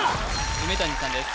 梅谷さんです